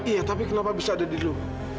iya tapi kenapa bisa ada di rumah